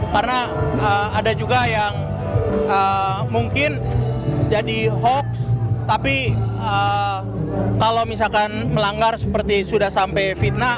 karena ada juga yang mungkin jadi hoax tapi kalau misalkan melanggar seperti sudah sampai fitnah